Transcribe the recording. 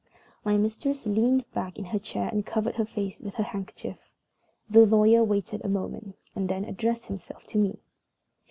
My mistress leaned back in her chair and covered her face with her handkerchief. The lawyer waited a moment, and then addressed himself to me.